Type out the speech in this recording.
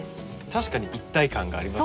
確かに一体感がありますね。